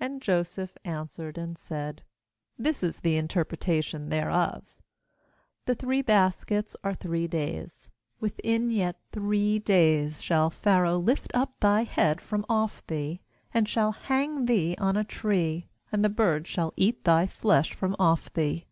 18And Joseph answered and said: 'This is the interpretation thereof* the three baskets are three days; "within yet three days shall Pharaoh lift up thy head from off thee, and shall hang thee on a tree; and the birds shall eat thy flesh from off thee.'